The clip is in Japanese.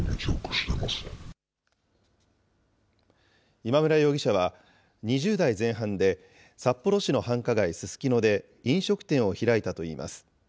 今村容疑者は、２０代前半で札幌市の繁華街、ススキノで飲食店を開いたといいます。